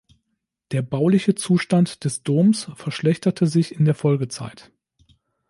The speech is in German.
Der bauliche Zustand des Doms verschlechterte sich in der Folgezeit.